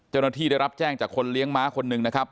เจ้าหน้าที่ได้รับแจ้งจากคนเลี้ยงม้าคนหนึ่งนะครับ